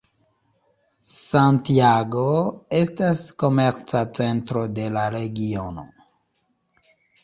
Santiago estas komerca centro de la regiono.